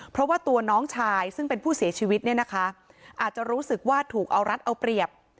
เพราะว่าตัวน้องชายซึ่งเป็นผู้เสียชีวิตเนี่ยนะคะอาจจะรู้สึกว่าถูกเอารัดเอาเปรียบ